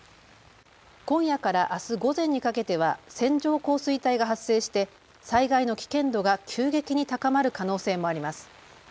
今夜からあす午前にかけては線状降水帯が発生して災害の危険度が急激に高まる可能性もあります。